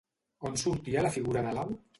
On sortia la figura de l'au?